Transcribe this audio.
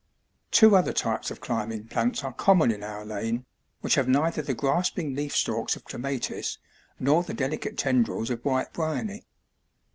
{58a} Two other types of climbing plants are common in our lane, which have neither the grasping leafstalks of clematis nor the delicate tendrils of white bryony.